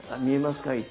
「見えますか？」